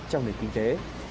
trong nền kinh tế